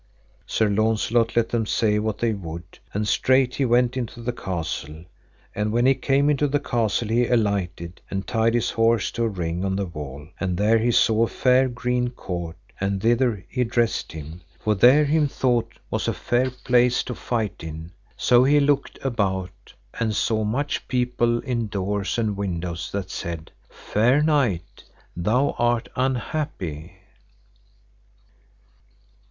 Sir Launcelot let them say what they would, and straight he went into the castle; and when he came into the castle he alighted, and tied his horse to a ring on the wall and there he saw a fair green court, and thither he dressed him, for there him thought was a fair place to fight in. So he looked about, and saw much people in doors and windows that said, Fair knight, thou art unhappy.